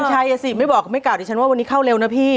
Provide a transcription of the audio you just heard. ชัยอ่ะสิไม่บอกไม่กล่าวดิฉันว่าวันนี้เข้าเร็วนะพี่